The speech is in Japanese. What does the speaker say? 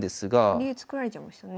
竜作られちゃいましたね。